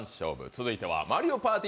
続いては「マリオパーティ！